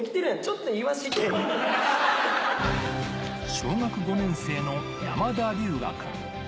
小学５年生の山田龍芽くん。